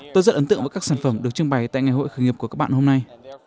tôi rất ấn tượng với các sản phẩm được trưng bày tại ngày hội khởi nghiệp của các bạn hôm nay